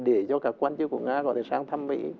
để cho các quan chức của nga có thể sang thăm mỹ